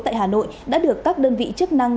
tại hà nội đã được các đơn vị chức năng